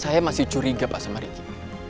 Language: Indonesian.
saya masih curiga pak sama ricky